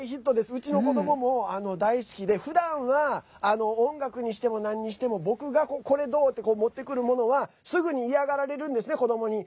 うちの子どもも大好きでふだんは音楽にしてもなんにしても僕がこれ、どう？って持ってくるものはすぐに嫌がられるんですね子どもに。